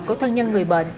của thân nhân người bệnh